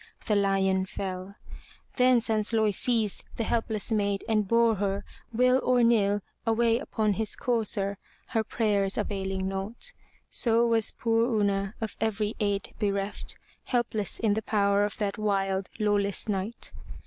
The lion fell. Then Sansloy seized the helpless maid, and bore her, will or nill, away upon his courser, her prayers availing naught. So was poor Una, of every aid bereft, helpless in the power of that wild, lawless knight.